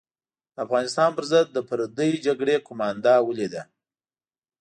د افغانستان پر ضد د پردۍ جګړې قومانده ولیده.